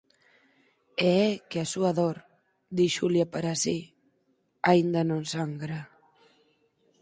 E é que a súa dor, di Xulia para si, aínda non sangra.